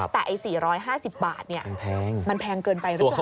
แต่๔๕๐บาทมันแพงเกินไปหรือเปล่า